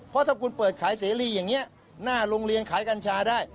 เพราะถ้าคุณเปิดขายเสรีอย่างนี้หน้าโรงเรียนขายกัญชาได้